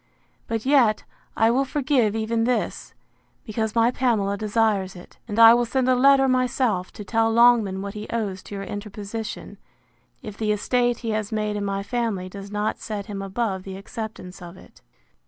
—But yet, I will forgive even this, because my Pamela desires it; and I will send a letter myself, to tell Longman what he owes to your interposition, if the estate he has made in my family does not set him above the acceptance of it.